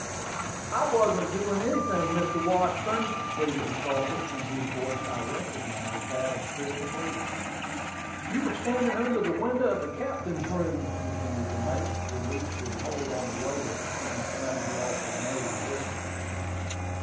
"I wasn't doing anything, Mr. Washburn," pleaded the culprit, in whose voice I recognized that of Griffin Leeds. "You were standing under the open window of the captain's room!" continued the mate, releasing his hold on the waiter when he found he offered no resistance.